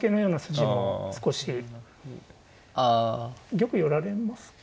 玉寄られますか。